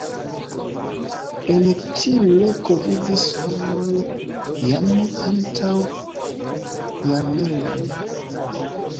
En tiu loko vivis homoj jam antaŭ jarmiloj.